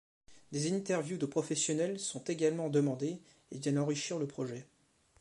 Des interviews de professionnels sont également demandées et viennent enrichir le projet.